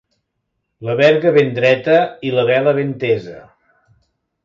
La verga ben dreta i la vela ben tesa.